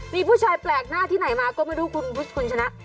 มีผู้ชายแปลกหน้าที่ไหนมาก็ไม่รู้คุณชนะ